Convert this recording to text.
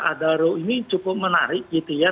adaro ini cukup menarik gitu ya